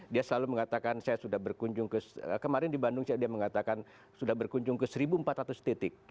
dia selalu mengatakan saya sudah berkunjung ke kemarin di bandung dia mengatakan sudah berkunjung ke satu empat ratus titik